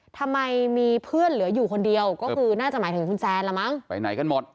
ทำไมมีเพื่อนเหลืออยู่คนเดียวก็คือน่าจะหมายถึงคุณแซนละมั้งไปไหนกันหมด